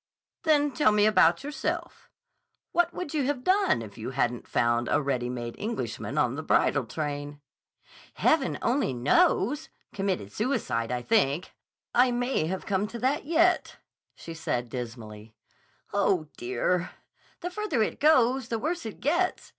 "Then tell me about yourself. What would you have done if you hadn't found a readymade Englishman on the bridal train?" "Heaven only knows! Committed suicide, I think. I may have to come to that yet," she said dismally. "Oh, dear! The further it goes, the worse it gets.